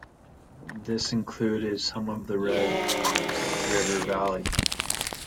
This included some of the Red River Valley.